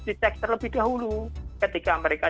di cek terlebih dahulu ketika mereka